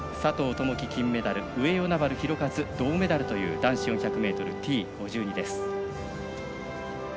友祈、金メダル上与那原寛和、銅メダルという男子４００ｍＴ５２です。